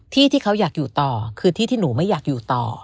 ที่เขาอยากอยู่ต่อคือที่ที่หนูไม่อยากอยู่ต่อ